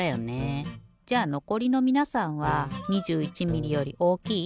じゃのこりのみなさんは２１ミリより大きい？